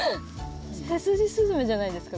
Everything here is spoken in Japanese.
セスジスズメじゃないですか？